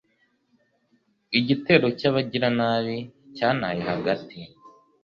igitero cy’abagiranabi cyantaye hagati